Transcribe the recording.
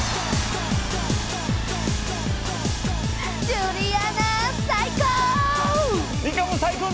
ジュリアナ最高！